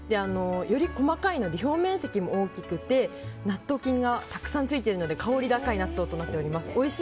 より細かいので表面積も大きくて納豆菌がたくさんついているので香り高い納豆になっています。